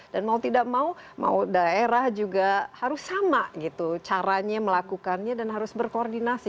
mau tidak mau mau daerah juga harus sama gitu caranya melakukannya dan harus berkoordinasi